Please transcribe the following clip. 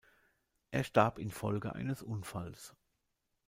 Er starb infolge eines Unfalls.